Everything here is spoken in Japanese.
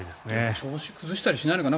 調子を崩したりしないのかな。